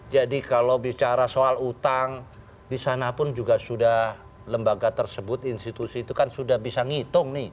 jadi kalau bicara soal utang di sana pun juga sudah lembaga tersebut institusi itu kan sudah bisa ngitung nih